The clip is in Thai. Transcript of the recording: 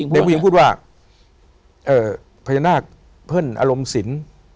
เด็กผู้หญิงพูดว่าพญานาคเพิ่นอารมณ์สิน